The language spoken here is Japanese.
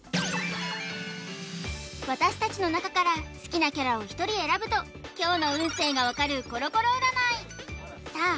私達の中から好きなキャラを１人選ぶと今日の運勢が分かるコロコロ占いさあ